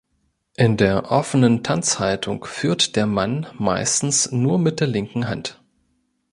In der offenen Tanzhaltung führt der Mann meistens nur mit der linken Hand.